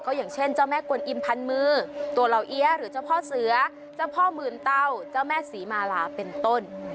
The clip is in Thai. อย่างเช่นเจ้าแม่กวนอิมพันมือตัวเหล่าเอี๊ยหรือเจ้าพ่อเสือเจ้าพ่อหมื่นเต้าเจ้าแม่ศรีมาลาเป็นต้น